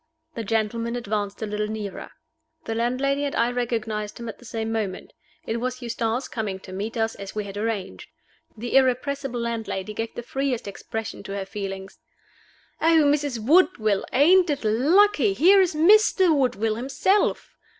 The gentleman advanced a little nearer. The landlady and I recognized him at the same moment. It was Eustace coming to meet us, as we had arranged. The irrepressible landlady gave the freest expression to her feelings. "Oh, Mrs. Woodville, ain't it lucky? here is Mr. Woodville himself."